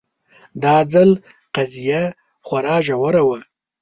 دا ځل قضیه خورا ژوره وه